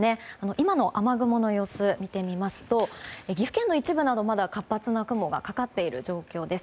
今の雨雲の様子を見てみますと岐阜県の一部などまだ活発な雲がかかっている状況です。